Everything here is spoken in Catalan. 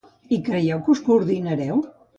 I creieu que us coordinareu?